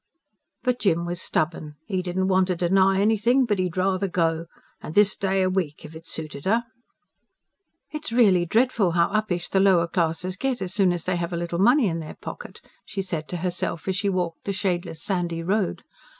But Jim was stubborn. 'E didn't want to deny anything. But 'e'd rather go. An' this day a week if it suited her. "It's really dreadful how uppish the lower classes get as soon as they have a little money in their pocket," she said to herself, as she walked the shadeless, sandy road.